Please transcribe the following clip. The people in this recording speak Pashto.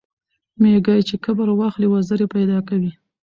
ـ ميږى چې کبر واخلي وزرې پېدا کوي.